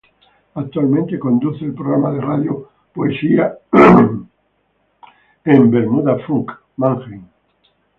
Actualmente, conduce el programa de radio "Poesía", en Bermuda Funk, Mannheim.